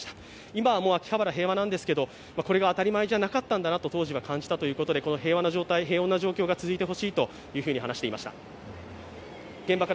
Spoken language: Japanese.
今はもう秋葉原、平和なんですが、これが当たり前じゃなかったんだと当時は感じたんだということでこの平和、平穏な状況が続いてほしいと話していました。